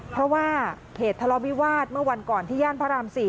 เพราะว่าเหตุทะเลาะวิวาสเมื่อวันก่อนที่ย่านพระราม๔